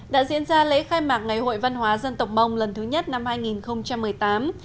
đã diễn ra lễ khai mạc ngày hội văn hóa dân tộc mông lần thứ nhất năm hai nghìn một mươi tám